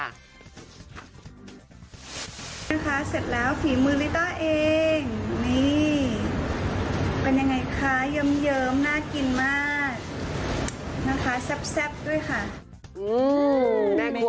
นะคะเสร็จแล้วฝีมือลิต้าเองนี่เป็นยังไงคะเยิ้มน่ากินมากนะคะแซ่บด้วยค่ะ